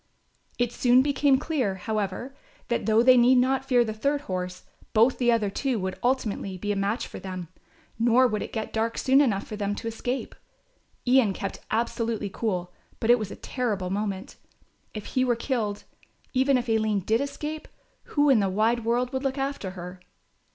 It soon became clear, however, that, though they need not fear the third horse, both the other two would ultimately be a match for them, nor would it get dark soon enough for them to escape. Ian kept absolutely cool, but it was a terrible moment. If he were killed, even if Aline did escape, who in the wide world would look after her?